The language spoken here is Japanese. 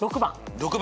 ６番。